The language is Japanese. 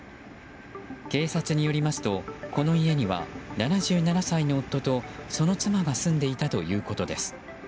警察によりますとこの家には７７歳の夫とその妻が住んでいたということです。